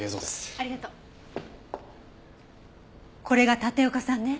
これが立岡さんね。